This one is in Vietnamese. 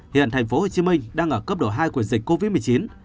hiện tp hcm đang ở cấp độ hai của dịch covid một mươi chín